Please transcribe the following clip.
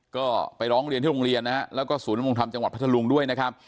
ก็ไปร้องเรียนที่โรงเรียนนะฮะแล้วก็ศูนยำรงธรรมจังหวัดพัทธลุงด้วยนะครับ